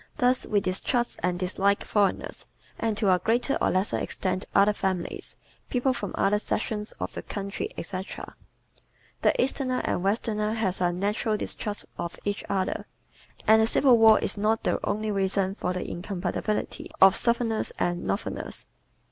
Thus we distrust and dislike foreigners, and to a greater or lesser extent other families, people from other sections of the country, etc. The Easterner and Westerner have a natural distrust of each other; and the Civil War is not the only reason for the incompatibility of Southerners and Northerners.